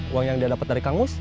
uang yang dia dapat dari kangus